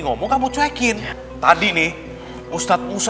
tuh tolong kasih tau tau dariku namanya ustadz